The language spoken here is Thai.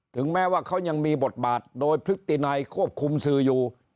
ถึงแม้ว่าเขายังมีบทบาทโดยพฤตินัยควบคุมสื่ออยู่